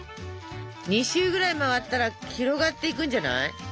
２周ぐらい回ったら広がっていくんじゃない？